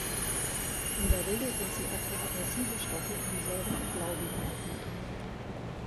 In der Regel sind sie auch für aggressive Stoffe wie Säuren und Laugen geeignet.